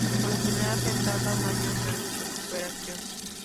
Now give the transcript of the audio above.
Por lo general, se tarda un año en la recuperación.